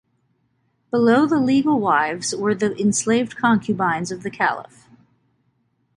Below the legal wives were the enslaved concubines of the Caliph.